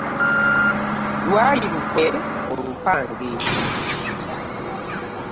Lwali lukwe olupange.